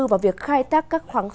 vào việc khai tác các nguồn năng lượng